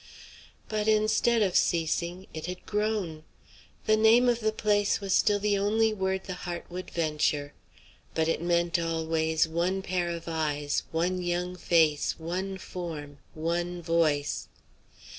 But, instead of ceasing, it had grown. The name of the place was still the only word the heart would venture; but it meant always one pair of eyes, one young face, one form, one voice.